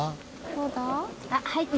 どうだ？